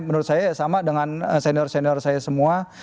menurut saya sama dengan senior senior saya semua